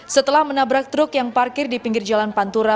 setelah menabrak truk yang parkir di pinggir jalan pantura